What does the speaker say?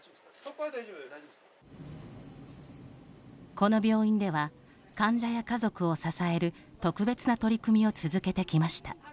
この病院では患者や家族を支える特別な取り組みを続けてきました。